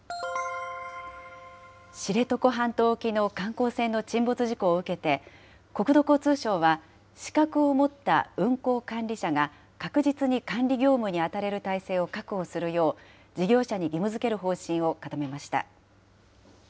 知床半島沖の観光船の沈没事故を受けて、国土交通省は、資格を持った運航管理者が確実に管理業務に当たれる体制を確保するよう、事業者に義務づける方針を固めました。